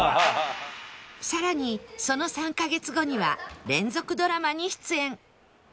さらにその３カ月後には連続ドラマに出演